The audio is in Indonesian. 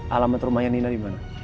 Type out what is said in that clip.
alamat rumahnya nina dimana